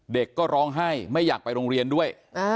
เด็กก็ร้องไห้ไม่อยากไปโรงเรียนด้วย